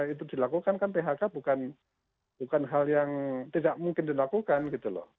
itu dilakukan kan phk bukan hal yang tidak mungkin dilakukan gitu loh